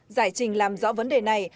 giải trình làm rõ vấn đề này